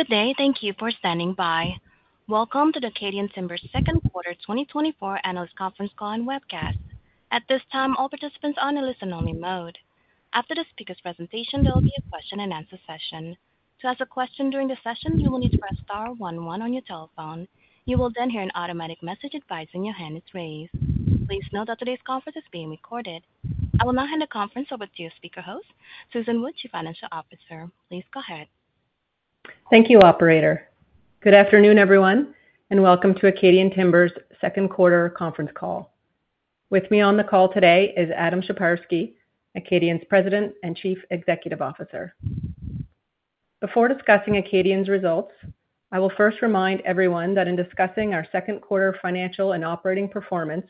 Good day, thank you for standing by. Welcome to the Acadian Timber's Second Quarter 2024 Analyst Conference Call and Webcast. At this time, all participants are on a listen-only mode. After the speaker's presentation, there will be a question-and-answer session. To ask a question during the session, you will need to press star one one on your telephone. You will then hear an automatic message advising your hand is raised. Please note that today's conference is being recorded. I will now hand the conference over to your speaker host, Susan Wood, Chief Financial Officer. Please go ahead. Thank you, Operator. Good afternoon, everyone, and welcome to Acadian Timber's Second Quarter Conference Call. With me on the call today is Adam Sheparski, Acadian's President and Chief Executive Officer. Before discussing Acadian's results, I will first remind everyone that in discussing our second quarter financial and operating performance,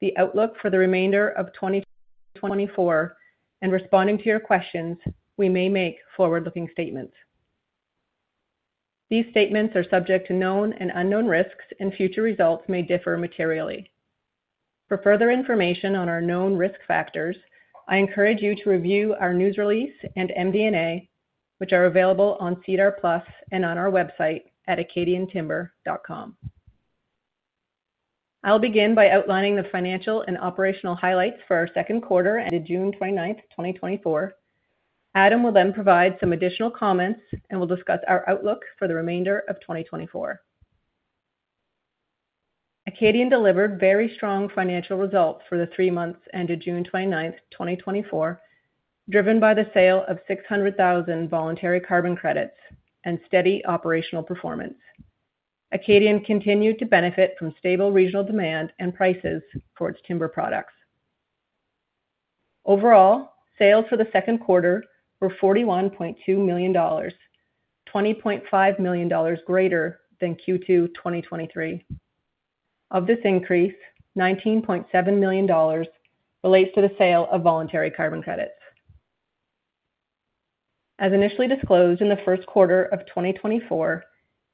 the outlook for the remainder of 2024, and responding to your questions, we may make forward-looking statements. These statements are subject to known and unknown risks, and future results may differ materially. For further information on our known risk factors, I encourage you to review our news release and MD&A, which are available on SEDAR+ and on our website at acadiantimber.com. I'll begin by outlining the financial and operational highlights for our second quarter ended June 29, 2024. Adam will then provide some additional comments and will discuss our outlook for the remainder of 2024. Acadian delivered very strong financial results for the three months ended June 29, 2024, driven by the sale of 600,000 voluntary carbon credits and steady operational performance. Acadian continued to benefit from stable regional demand and prices for its timber products. Overall, sales for the second quarter were $41.2 million, $20.5 million greater than Q2 2023. Of this increase, $19.7 million relates to the sale of voluntary carbon credits. As initially disclosed in the first quarter of 2024,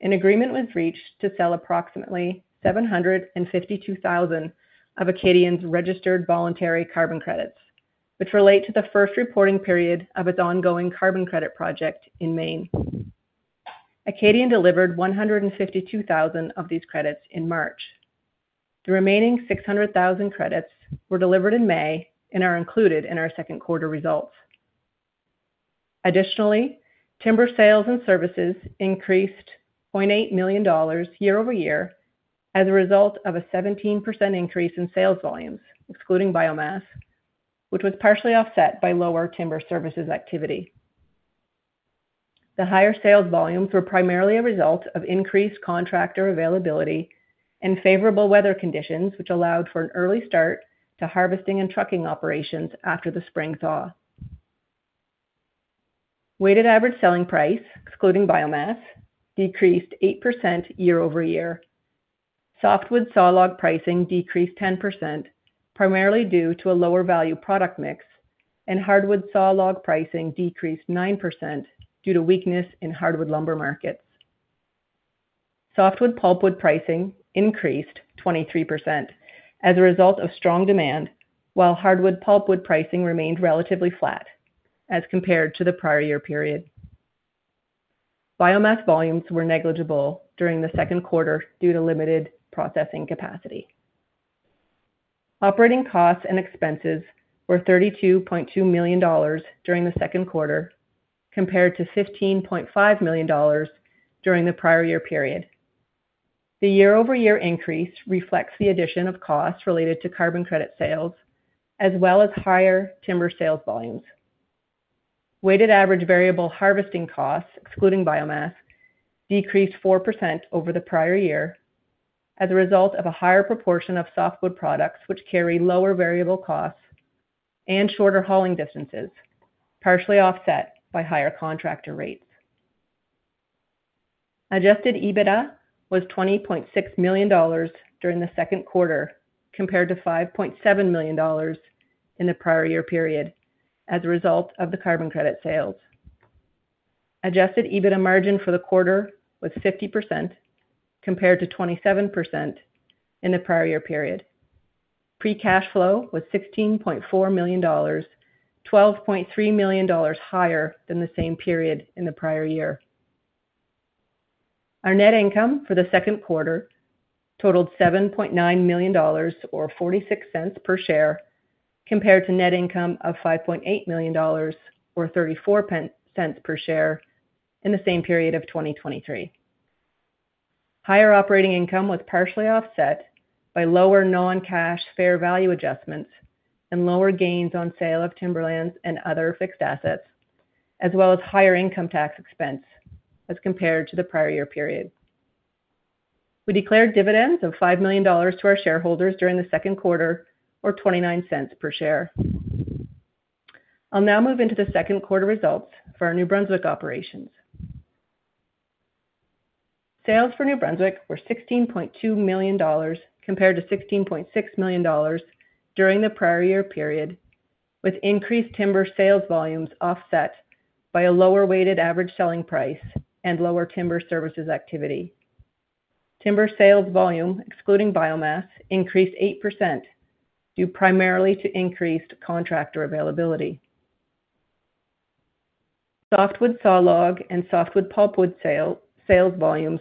an agreement was reached to sell approximately 752,000 of Acadian's registered voluntary carbon credits, which relate to the first reporting period of its ongoing carbon credit project in Maine. Acadian delivered 152,000 of these credits in March. The remaining 600,000 credits were delivered in May and are included in our second quarter results. Additionally, timber sales and services increased $0.8 million year-over-year as a result of a 17% increase in sales volumes, excluding biomass, which was partially offset by lower timber services activity. The higher sales volumes were primarily a result of increased contractor availability and favorable weather conditions, which allowed for an early start to harvesting and trucking operations after the spring thaw. Weighted average selling price, excluding biomass, decreased 8% year-over-year. Softwood sawlog pricing decreased 10%, primarily due to a lower value product mix, and hardwood sawlog pricing decreased 9% due to weakness in hardwood lumber markets. Softwood pulpwood pricing increased 23% as a result of strong demand, while hardwood pulpwood pricing remained relatively flat as compared to the prior year period. Biomass volumes were negligible during the second quarter due to limited processing capacity. Operating costs and expenses were $32.2 million during the second quarter, compared to $15.5 million during the prior year period. The year-over-year increase reflects the addition of costs related to carbon credit sales, as well as higher timber sales volumes. Weighted average variable harvesting costs, excluding biomass, decreased 4% over the prior year as a result of a higher proportion of softwood products which carry lower variable costs and shorter hauling distances, partially offset by higher contractor rates. Adjusted EBITDA was $20.6 million during the second quarter, compared to $5.7 million in the prior year period as a result of the carbon credit sales. Adjusted EBITDA margin for the quarter was 50%, compared to 27% in the prior year period. Free cash flow was $16.4 million, $12.3 million higher than the same period in the prior year. Our net income for the second quarter totaled $7.9 million, or $0.46 per share, compared to net income of $5.8 million, or $0.34 per share in the same period of 2023. Higher operating income was partially offset by lower non-cash fair value adjustments and lower gains on sale of timberlands and other fixed assets, as well as higher income tax expense as compared to the prior year period. We declared dividends of $5 million to our shareholders during the second quarter, or $0.29 per share. I'll now move into the second quarter results for our New Brunswick operations. Sales for New Brunswick were $16.2 million, compared to $16.6 million during the prior year period, with increased timber sales volumes offset by a lower weighted average selling price and lower timber services activity. Timber sales volume, excluding biomass, increased 8% due primarily to increased contractor availability. Softwood sawlog and softwood pulpwood sales volumes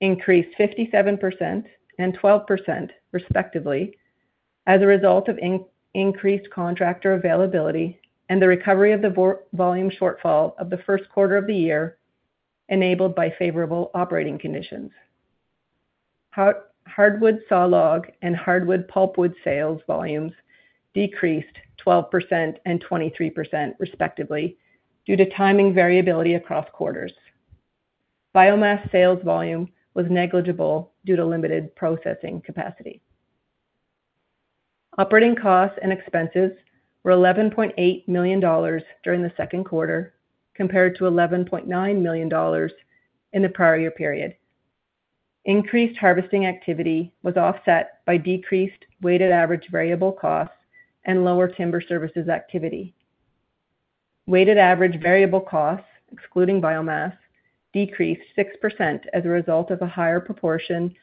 increased 57% and 12%, respectively, as a result of increased contractor availability and the recovery of the volume shortfall of the first quarter of the year enabled by favorable operating conditions. Hardwood sawlog and hardwood pulpwood sales volumes decreased 12% and 23%, respectively, due to timing variability across quarters. Biomass sales volume was negligible due to limited processing capacity. Operating costs and expenses were $11.8 million during the second quarter, compared to $11.9 million in the prior year period. Increased harvesting activity was offset by decreased weighted average variable costs and lower timber services activity. Weighted average variable costs, excluding biomass, decreased 6% as a result of a higher proportion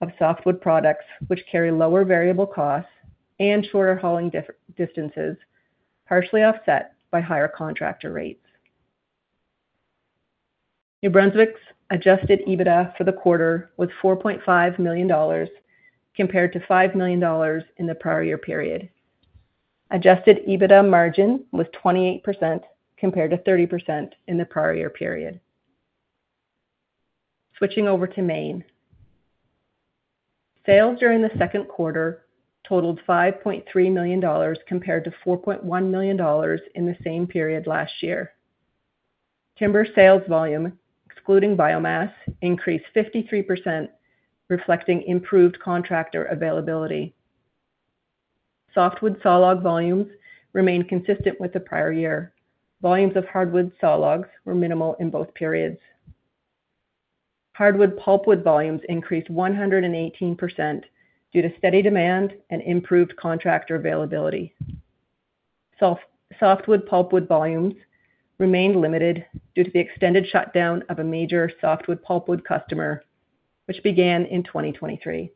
of softwood products which carry lower variable costs and shorter hauling distances, partially offset by higher contractor rates. New Brunswick's Adjusted EBITDA for the quarter was $4.5 million, compared to $5 million in the prior year period. Adjusted EBITDA margin was 28%, compared to 30% in the prior year period. Switching over to Maine. Sales during the second quarter totaled $5.3 million, compared to $4.1 million in the same period last year. Timber sales volume, excluding biomass, increased 53%, reflecting improved contractor availability. Softwood sawlog volumes remained consistent with the prior year. Volumes of hardwood sawlogs were minimal in both periods. Hardwood pulpwood volumes increased 118% due to steady demand and improved contractor availability. Softwood pulpwood volumes remained limited due to the extended shutdown of a major softwood pulpwood customer, which began in 2023.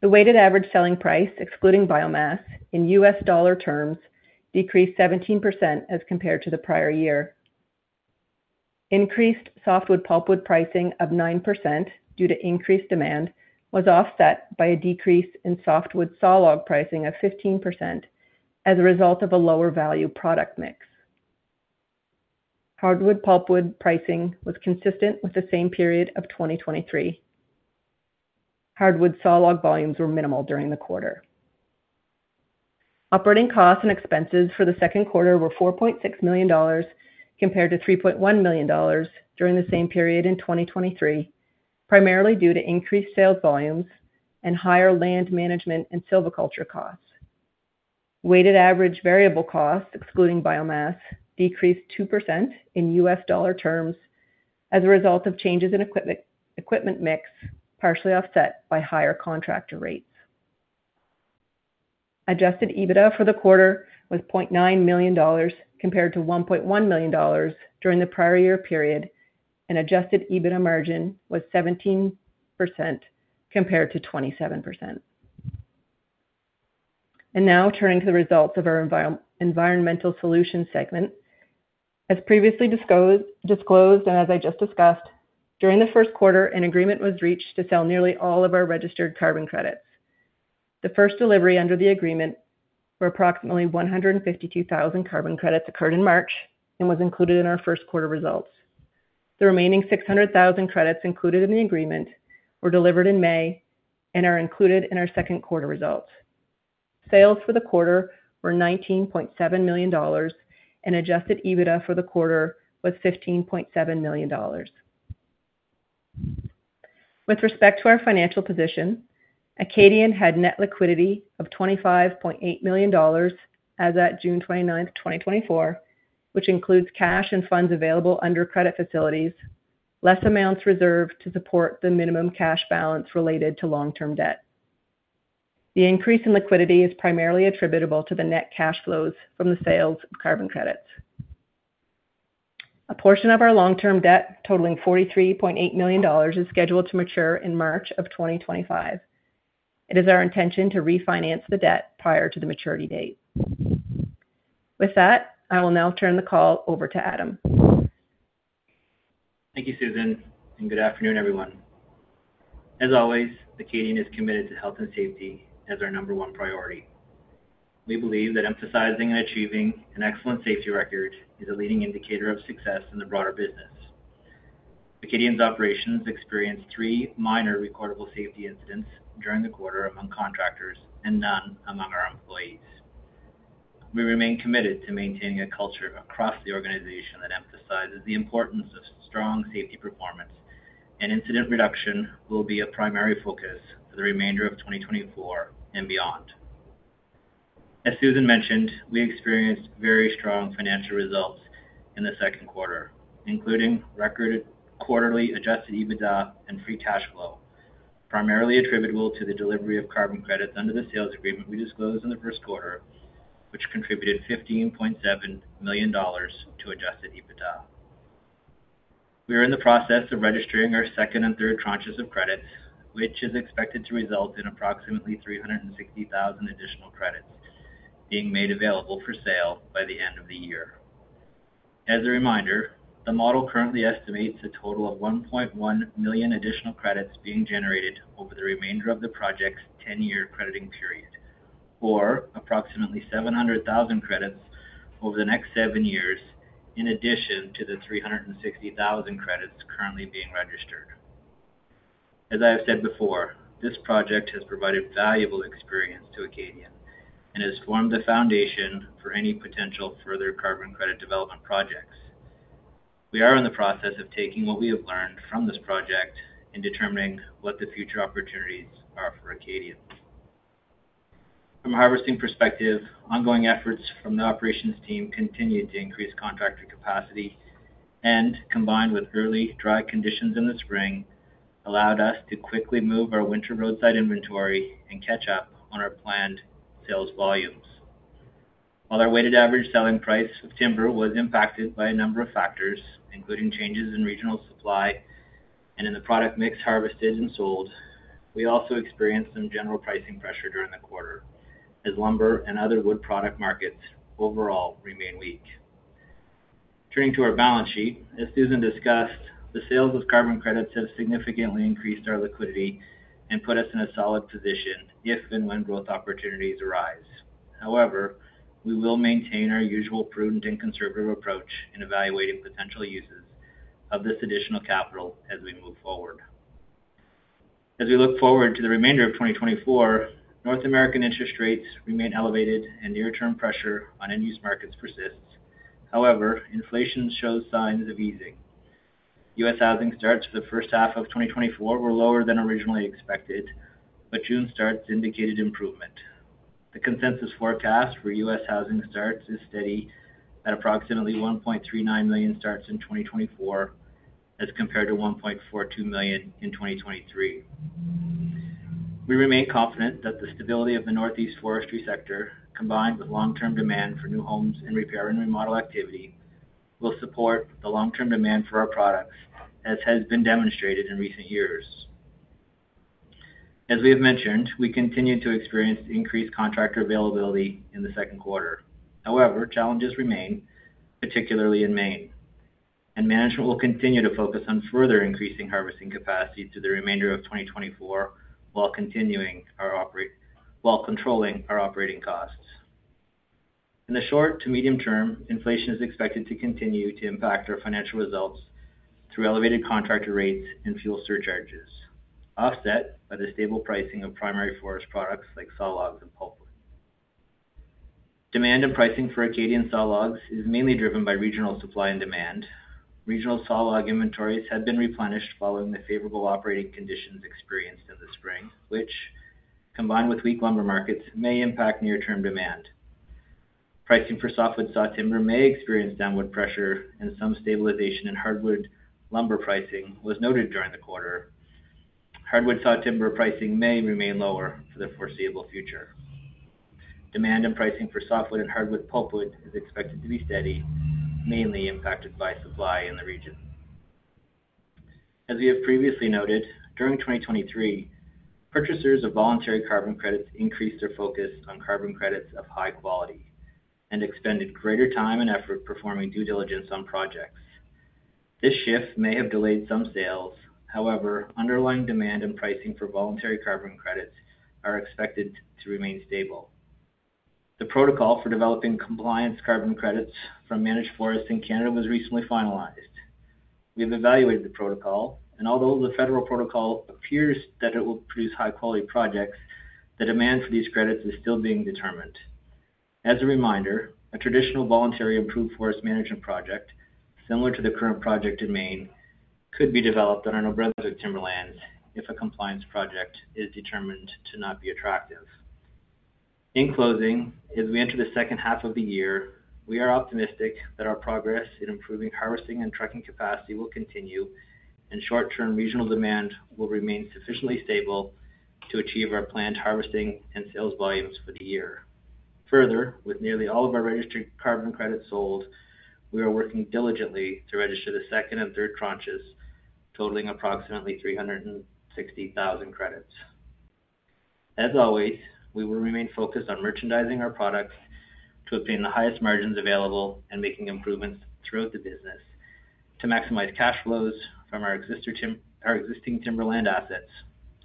The weighted average selling price, excluding biomass, in U.S. dollar terms, decreased 17% as compared to the prior year. Increased softwood pulpwood pricing of 9% due to increased demand was offset by a decrease in softwood sawlog pricing of 15% as a result of a lower value product mix. Hardwood pulpwood pricing was consistent with the same period of 2023. Hardwood sawlog volumes were minimal during the quarter. Operating costs and expenses for the second quarter were $4.6 million, compared to $3.1 million during the same period in 2023, primarily due to increased sales volumes and higher land management and silviculture costs. Weighted average variable costs, excluding biomass, decreased 2% in U.S. dollar terms as a result of changes in equipment mix, partially offset by higher contractor rates. Adjusted EBITDA for the quarter was $0.9 million, compared to $1.1 million during the prior year period, and adjusted EBITDA margin was 17%, compared to 27%. And now turning to the results of our Environmental Solutions segment. As previously disclosed and as I just discussed, during the first quarter, an agreement was reached to sell nearly all of our registered carbon credits. The first delivery under the agreement for approximately 152,000 carbon credits occurred in March and was included in our first quarter results. The remaining 600,000 credits included in the agreement were delivered in May and are included in our second quarter results. Sales for the quarter were $19.7 million, and Adjusted EBITDA for the quarter was $15.7 million. With respect to our financial position, Acadian had net liquidity of $25.8 million as of June 29, 2024, which includes cash and funds available under credit facilities, less amounts reserved to support the minimum cash balance related to long-term debt. The increase in liquidity is primarily attributable to the net cash flows from the sales of carbon credits. A portion of our long-term debt totaling $43.8 million is scheduled to mature in March of 2025. It is our intention to refinance the debt prior to the maturity date. With that, I will now turn the call over to Adam. Thank you, Susan, and good afternoon, everyone. As always, Acadian is committed to health and safety as our number one priority. We believe that emphasizing and achieving an excellent safety record is a leading indicator of success in the broader business. Acadian's operations experienced three minor recordable safety incidents during the quarter among contractors and none among our employees. We remain committed to maintaining a culture across the organization that emphasizes the importance of strong safety performance, and incident reduction will be a primary focus for the remainder of 2024 and beyond. As Susan mentioned, we experienced very strong financial results in the second quarter, including record quarterly Adjusted EBITDA and free cash flow, primarily attributable to the delivery of carbon credits under the sales agreement we disclosed in the first quarter, which contributed $15.7 million to Adjusted EBITDA. We are in the process of registering our second and third tranches of credits, which is expected to result in approximately 360,000 additional credits being made available for sale by the end of the year. As a reminder, the model currently estimates a total of 1.1 million additional credits being generated over the remainder of the project's 10-year crediting period, or approximately 700,000 credits over the next seven years, in addition to the 360,000 credits currently being registered. As I have said before, this project has provided valuable experience to Acadian and has formed the foundation for any potential further carbon credit development projects. We are in the process of taking what we have learned from this project in determining what the future opportunities are for Acadian. From a harvesting perspective, ongoing efforts from the operations team continue to increase contractor capacity, and combined with early dry conditions in the spring, allowed us to quickly move our winter roadside inventory and catch up on our planned sales volumes. While our weighted average selling price of timber was impacted by a number of factors, including changes in regional supply and in the product mix harvested and sold, we also experienced some general pricing pressure during the quarter, as lumber and other wood product markets overall remain weak. Turning to our balance sheet, as Susan discussed, the sales of carbon credits have significantly increased our liquidity and put us in a solid position if and when growth opportunities arise. However, we will maintain our usual prudent and conservative approach in evaluating potential uses of this additional capital as we move forward. As we look forward to the remainder of 2024, North American interest rates remain elevated and near-term pressure on end-use markets persists. However, inflation shows signs of easing. U.S. housing starts for the first half of 2024 were lower than originally expected, but June starts indicated improvement. The consensus forecast for U.S. housing starts is steady at approximately 1.39 million starts in 2024, as compared to 1.42 million in 2023. We remain confident that the stability of the Northeast forestry sector, combined with long-term demand for new homes and repair and remodel activity, will support the long-term demand for our products, as has been demonstrated in recent years. As we have mentioned, we continue to experience increased contractor availability in the second quarter. However, challenges remain, particularly in Maine, and management will continue to focus on further increasing harvesting capacity through the remainder of 2024 while controlling our operating costs. In the short to medium term, inflation is expected to continue to impact our financial results through elevated contractor rates and fuel surcharges, offset by the stable pricing of primary forest products like sawlogs and pulpwood. Demand and pricing for Acadian sawlogs is mainly driven by regional supply and demand. Regional sawlog inventories have been replenished following the favorable operating conditions experienced in the spring, which, combined with weak lumber markets, may impact near-term demand. Pricing for softwood sawtimber may experience downward pressure, and some stabilization in hardwood lumber pricing was noted during the quarter. Hardwood sawtimber pricing may remain lower for the foreseeable future. Demand and pricing for softwood and hardwood pulpwood is expected to be steady, mainly impacted by supply in the region. As we have previously noted, during 2023, purchasers of voluntary carbon credits increased their focus on carbon credits of high quality and expended greater time and effort performing due diligence on projects. This shift may have delayed some sales. However, underlying demand and pricing for voluntary carbon credits are expected to remain stable. The protocol for developing compliance carbon credits from managed forests in Canada was recently finalized. We have evaluated the protocol, and although the federal protocol appears that it will produce high-quality projects, the demand for these credits is still being determined. As a reminder, a traditional voluntary improved forest management project, similar to the current project in Maine, could be developed on our New Brunswick timberlands if a compliance project is determined to not be attractive. In closing, as we enter the second half of the year, we are optimistic that our progress in improving harvesting and trucking capacity will continue and short-term regional demand will remain sufficiently stable to achieve our planned harvesting and sales volumes for the year. Further, with nearly all of our registered carbon credits sold, we are working diligently to register the second and third tranches, totaling approximately 360,000 credits. As always, we will remain focused on merchandising our product to obtain the highest margins available and making improvements throughout the business to maximize cash flows from our existing timberland assets,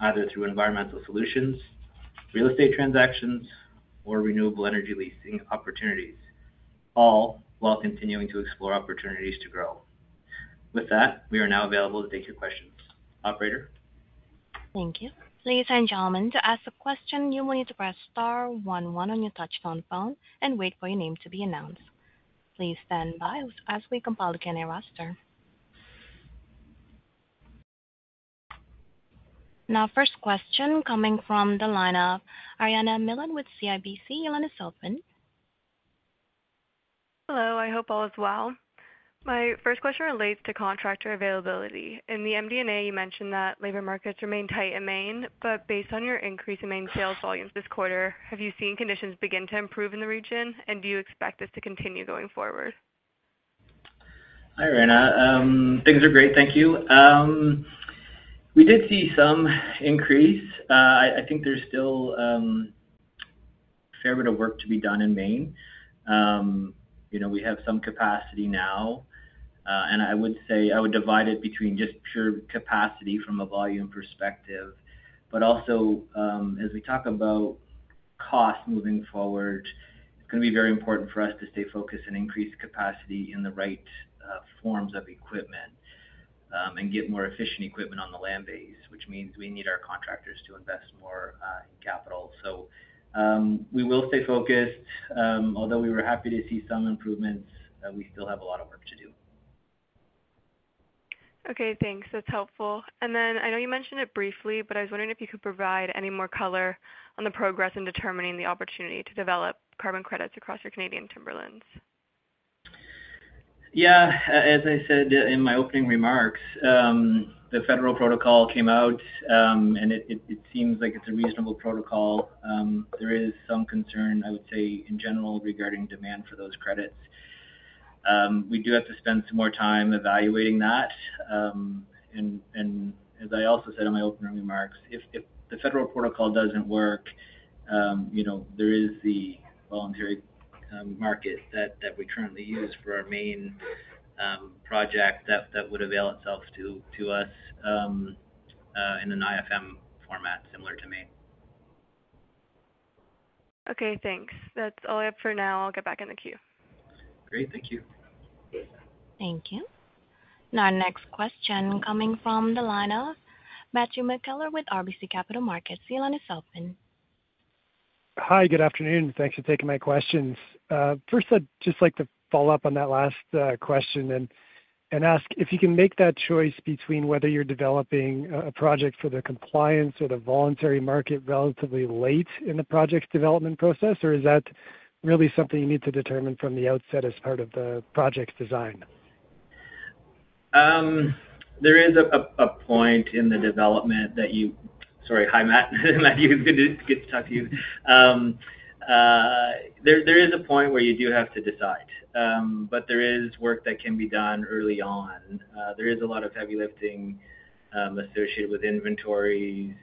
either through environmental solutions, real estate transactions, or renewable energy leasing opportunities, all while continuing to explore opportunities to grow. With that, we are now available to take your questions. Operator. Thank you. Ladies and gentlemen, to ask a question, you will need to press star 11 on your touch-tone phone and wait for your name to be announced. Please stand by as we compile the Q&A roster. Now, first question coming from the line of Ariana Miller with CIBC. Your line is open. Hello. I hope all is well. My first question relates to contractor availability. In the MD&A, you mentioned that labor markets remain tight in Maine, but based on your increase in Maine sales volumes this quarter, have you seen conditions begin to improve in the region, and do you expect this to continue going forward? Hi, Ariana. Things are great. Thank you. We did see some increase. I think there's still a fair bit of work to be done in Maine. We have some capacity now, and I would say I would divide it between just pure capacity from a volume perspective. But also, as we talk about costs moving forward, it's going to be very important for us to stay focused and increase capacity in the right forms of equipment and get more efficient equipment on the land base, which means we need our contractors to invest more capital. So we will stay focused. Although we were happy to see some improvements, we still have a lot of work to do. Okay. Thanks. That's helpful. And then I know you mentioned it briefly, but I was wondering if you could provide any more color on the progress in determining the opportunity to develop carbon credits across your Canadian timberlands? Yeah. As I said in my opening remarks, the federal protocol came out, and it seems like it's a reasonable protocol. There is some concern, I would say, in general regarding demand for those credits. We do have to spend some more time evaluating that. And as I also said in my opening remarks, if the federal protocol doesn't work, there is the voluntary market that we currently use for our main project that would avail itself to us in an IFM format similar to Maine. Okay. Thanks. That's all I have for now. I'll get back in the queue. Great. Thank you. Thank you. Now, next question coming from the line of Matthew McKellar with RBC Capital Markets. Your line is open. Hi. Good afternoon. Thanks for taking my questions. First, I'd just like to follow up on that last question and ask if you can make that choice between whether you're developing a project for the compliance or the voluntary market relatively late in the project's development process, or is that really something you need to determine from the outset as part of the project's design? There is a point in the development. Sorry. Hi, Matt. It's good to get to talk to you. There is a point where you do have to decide, but there is work that can be done early on. There is a lot of heavy lifting associated with inventories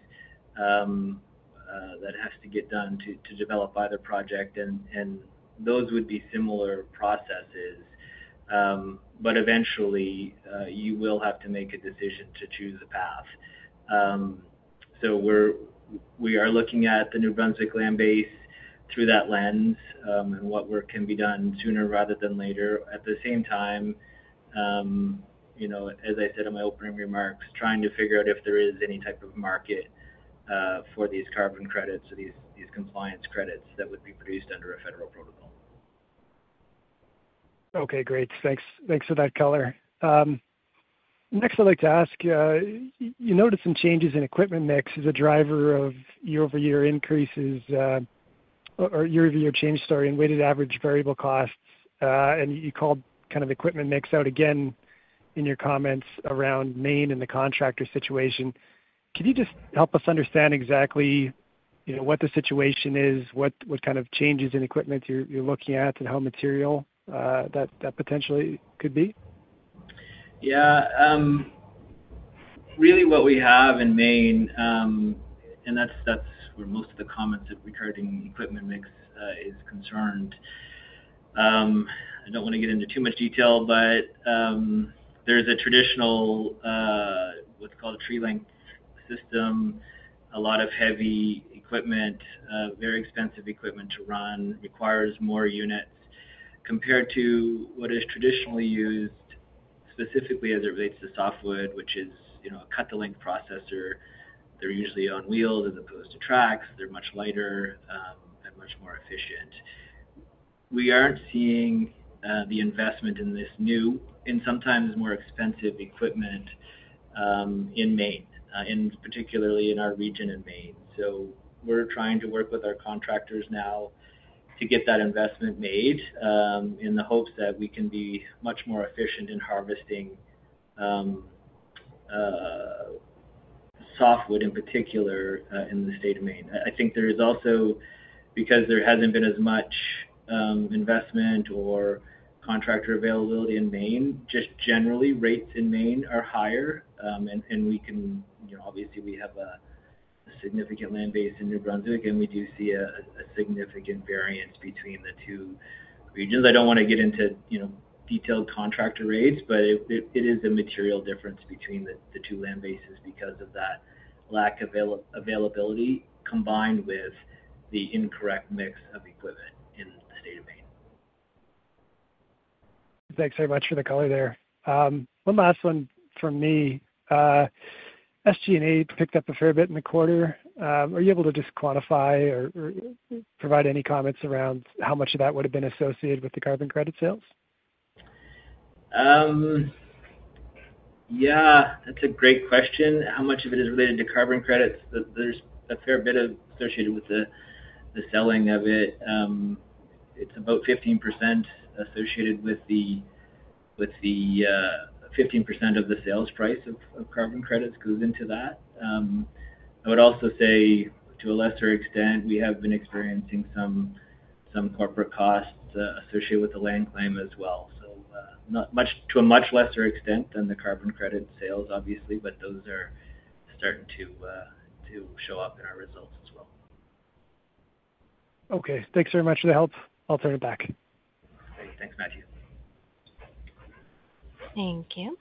that has to get done to develop either project, and those would be similar processes. But eventually, you will have to make a decision to choose a path. So we are looking at the New Brunswick land base through that lens and what work can be done sooner rather than later. At the same time, as I said in my opening remarks, trying to figure out if there is any type of market for these carbon credits or these compliance credits that would be produced under a federal protocol. Okay. Great. Thanks for that, caller. Next, I'd like to ask, you noted some changes in equipment mix as a driver of year-over-year increases or year-over-year change, sorry, in weighted average variable costs. And you called kind of equipment mix out again in your comments around Maine and the contractor situation. Could you just help us understand exactly what the situation is, what kind of changes in equipment you're looking at, and how material that potentially could be? Yeah. Really, what we have in Maine, and that's where most of the comments regarding equipment mix is concerned. I don't want to get into too much detail, but there's a traditional, what's called a tree-length system. A lot of heavy equipment, very expensive equipment to run, requires more units compared to what is traditionally used, specifically as it relates to softwood, which is a cut-to-length processor. They're usually on wheels as opposed to tracks. They're much lighter and much more efficient. We aren't seeing the investment in this new and sometimes more expensive equipment in Maine, and particularly in our region in Maine. So we're trying to work with our contractors now to get that investment made in the hopes that we can be much more efficient in harvesting softwood, in particular, in the state of Maine. I think there is also, because there hasn't been as much investment or contractor availability in Maine, just generally, rates in Maine are higher. And obviously, we have a significant land base in New Brunswick, and we do see a significant variance between the two regions. I don't want to get into detailed contractor rates, but it is a material difference between the two land bases because of that lack of availability combined with the incorrect mix of equipment in the state of Maine. Thanks very much for the color there. One last one from me. SG&A picked up a fair bit in the quarter. Are you able to just quantify or provide any comments around how much of that would have been associated with the carbon credit sales? Yeah. That's a great question. How much of it is related to carbon credits? There's a fair bit associated with the selling of it. It's about 15% associated with the 15% of the sales price of carbon credits goes into that. I would also say, to a lesser extent, we have been experiencing some corporate costs associated with the land claim as well. So to a much lesser extent than the carbon credit sales, obviously, but those are starting to show up in our results as well. Okay. Thanks very much for the help. I'll turn it back. Great. Thanks, Matthew. Thank you.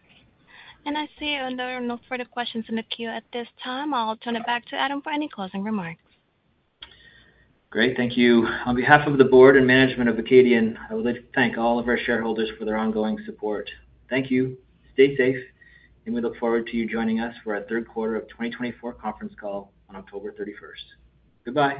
I see another note for the questions in the queue at this time. I'll turn it back to Adam for any closing remarks. Great. Thank you. On behalf of the Board and management of Acadian, I would like to thank all of our shareholders for their ongoing support. Thank you. Stay safe, and we look forward to you joining us for our third quarter of 2024 conference call on October 31st. Goodbye.